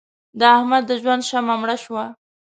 د احمد د ژوند شمع مړه شوه.